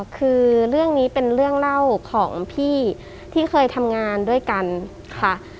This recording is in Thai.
คือเรื่องนี้เป็นเรื่องเล่าของพี่ที่เคยทำงานด้วยกันค่ะ